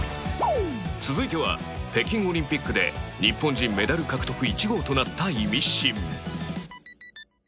続いては、北京オリンピックで日本人メダル獲得１号となったイミシン